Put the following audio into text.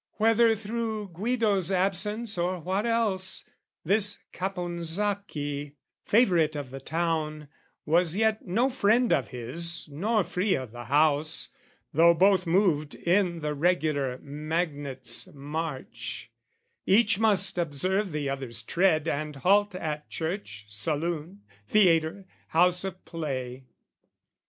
Whether through Guido's absence or what else, This Caponsacchi, favourite of the town, Was yet no friend of his nor free o' the house, Though both moved in the regular magnates' march Each must observe the other's tread and halt At church, saloon, theatre, house of play.